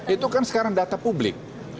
itu kan sekarang data publik